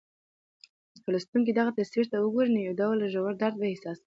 که لوستونکی دغه تصویر ته وګوري، نو یو ډول ژور درد به حس کړي.